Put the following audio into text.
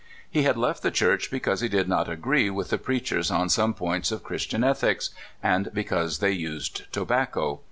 He had left the Church because he did not agree with the preachers on some points of Christian ethics, and because they used tobacco.